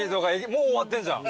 もう終わってんじゃん。